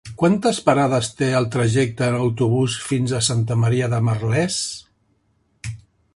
Quantes parades té el trajecte en autobús fins a Santa Maria de Merlès?